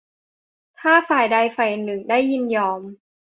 ถ้าฝ่ายใดฝ่ายหนึ่งได้ยินยอม